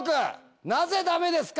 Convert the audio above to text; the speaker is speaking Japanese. なぜダメですか？